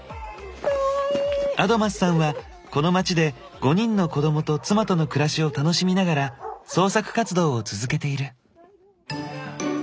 アドマスさんはこの街で５人の子供と妻との暮らしを楽しみながら創作活動を続けている。